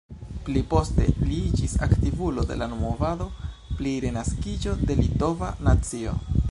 Pli poste li iĝis aktivulo de la movado pri renaskiĝo de litova nacio.